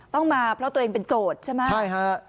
ต้องมาเพราะตัวเองเป็นโจทย์ใช่ไหมใช่ฮะ